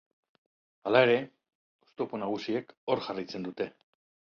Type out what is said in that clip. Hala ere, oztopo nagusiek hor jarraitzen dute.